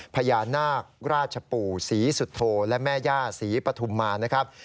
พญานาคราชปู่ศรีสุโธและแม่ย่าศรีปฐุมมานะครับ